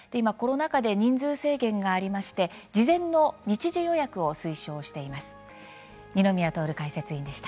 コロナ禍で人数制限がありまして事前の日時予約を推奨しています。